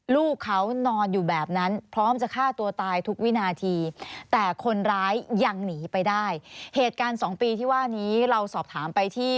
ลูกเขานอนอยู่แบบนั้นพร้อมจะฆ่าตัวตายทุกวินาทีแต่คนร้ายยังหนีไปได้เหตุการณ์สองปีที่ว่านี้เราสอบถามไปที่